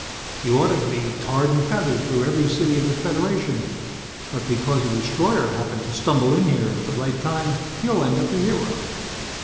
You ought to be tarred and feathered through every city of the Federation, but because a destroyer happened to stumble in here at the right time you'll end up a hero."